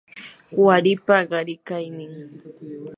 qaripa qarikaynin